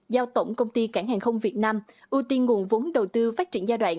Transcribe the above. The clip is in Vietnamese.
giao tổng công ty cảng hàng không việt nam ưu tiên nguồn vốn đầu tư phát triển giai đoạn